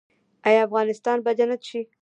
آیا افغانستان به جنت شي؟